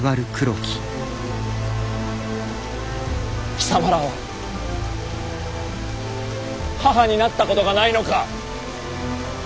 貴様らは母になったことがないのか？